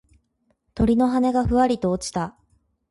鳥の羽がふわりと落ちた。